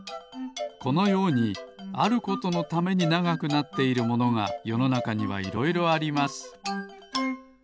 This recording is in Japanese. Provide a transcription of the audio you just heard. このようにあることのためにながくなっているものがよのなかにはいろいろあります。